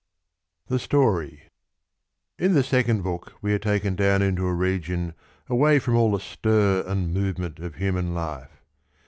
Thebiory. j^ thc sccond book we are taken down into a region away from all the stir and movement of human life.